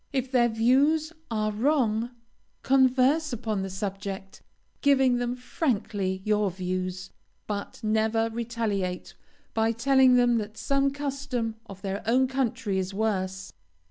If their views are wrong, converse upon the subject, giving them frankly your views, but never retaliate by telling them that some custom of their own country is worse.